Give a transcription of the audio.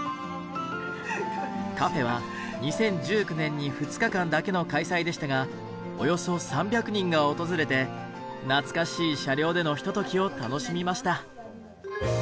カフェは２０１９年に２日間だけの開催でしたがおよそ３００人が訪れて懐かしい車両でのひとときを楽しみました。